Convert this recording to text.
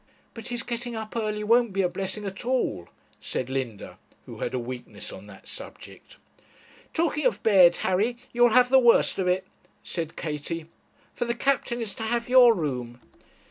'But his getting up early won't be a blessing at all,' said Linda, who had a weakness on that subject. 'Talking of bed, Harry, you'll have the worst of it,' said Katie, 'for the captain is to have your room.'